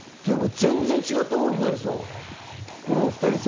全然違うものになりそう。